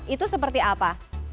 itu seperti apa